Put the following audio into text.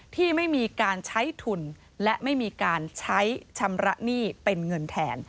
ที่ไม่มีการใช้ทุนและไม่มีการใช้ชำระหนี้เป็นเงินแทน